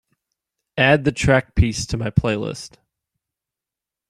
Add the track peace to my playlist